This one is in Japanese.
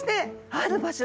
ある場所？